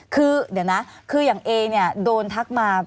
คืออย่างนี้เนี่ยโดนทักมา